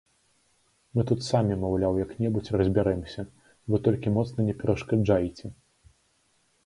Мы тут самі, маўляў, як-небудзь разбярэмся, вы толькі моцна не перашкаджайце.